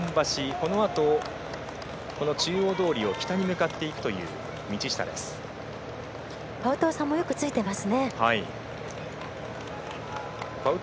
このあと中央通りを北に向かっていく道下です。